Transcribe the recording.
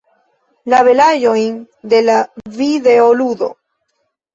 La belaĵojn de la videoludo.